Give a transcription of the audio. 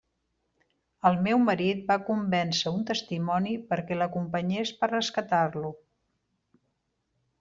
El meu marit va convèncer un testimoni perquè l'acompanyés per rescatar-lo.